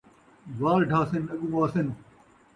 وال ڈھہسِن ، اڳوں آسن